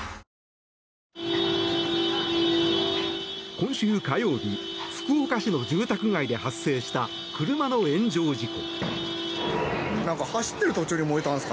今週火曜日、福岡市の住宅街で発生した車の炎上事故。